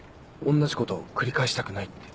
同じことを繰り返したくないって。